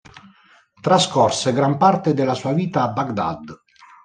Trascorse gran parte della sua vita a Baghdad.